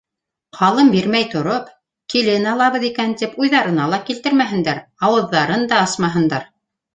Ҡалым бирмәй тороп, килен алабыҙ икән тип уйҙарына ла килтермәһендәр, ауыҙҙарын да асмаһындар.